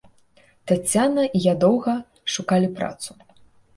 Таццяна і я доўга шукалі працу.